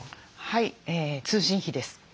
はい通信費です。